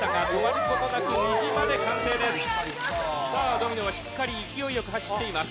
ドミノはしっかり勢いよく走っています。